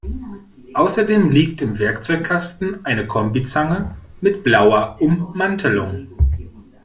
Außerdem liegt im Werkzeugkasten eine Kombizange mit blauer Ummantelung.